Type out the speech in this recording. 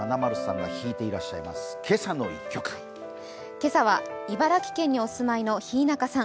今朝は茨城県にお住まいのひーなかさん。